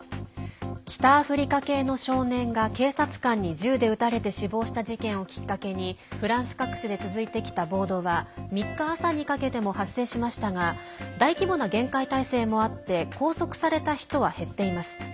北アフリカ系の少年が警察官に銃で撃たれて死亡した事件をきっかけにフランス各地で続いてきた暴動は３日朝にかけても発生しましたが大規模な厳戒態勢もあって拘束された人は減っています。